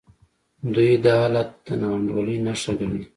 دوی دا حالت د ناانډولۍ نښه ګڼي.